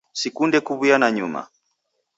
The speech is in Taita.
Sikunde kuwuya nanyuma